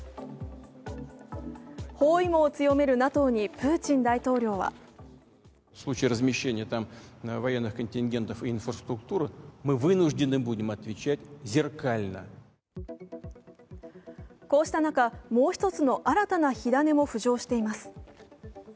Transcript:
包囲網を強めるＮＡＴＯにプーチン大統領はこうした中、もう一つの新たな火種も浮上しています。